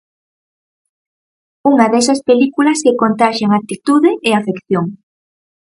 Unha desas películas que contaxian actitude e afección.